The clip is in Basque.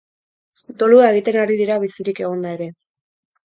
Dolua egiten ari dira bizirik egonda ere.